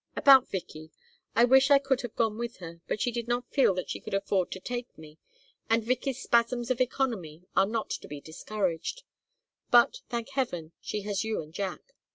"... About Vicky. I wish I could have gone with her, but she did not feel that she could afford to take me, and Vicky's spasms of economy are not to be discouraged. But, thank heaven, she has you and Jack.